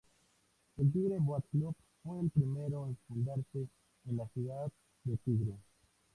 El Tigre Boat Club, fue el primero en fundarse en la ciudad de Tigre.